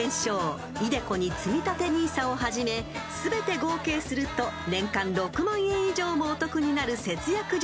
ｉＤｅＣｏにつみたてＮＩＳＡをはじめ全て合計すると年間６万円以上もお得になる節約術